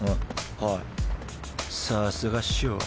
はいさすが師匠